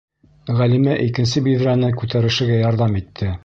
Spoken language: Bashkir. Ғәлимә икенсе биҙрәне күтәрешергә ярҙам итте.